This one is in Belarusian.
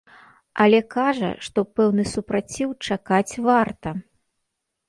Але кажа, што пэўны супраціў чакаць варта.